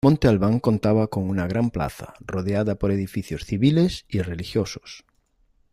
Monte Alban contaba con una Gran Plaza, rodeada por edificios civiles y religiosos.